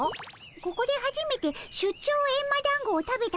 ここではじめて出張エンマだんごを食べたでおじゃる。